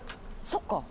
そっか！